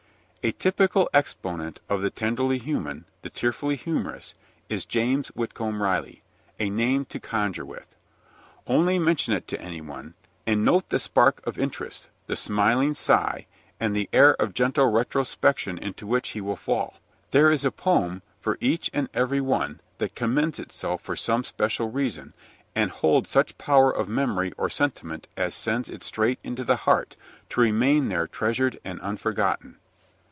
A typical exponent of the tenderly human, the tearfully humorous, is James Whitcomb Riley a name to conjure with. Only mention it to anyone, and note the spark of interest, the smiling sigh, the air of gentle retrospection into which he will fall. There is a poem for each and every one, that commends itself for some special reason, and holds such power of memory or sentiment as sends it straight into the heart, to remain there treasured and unforgotten.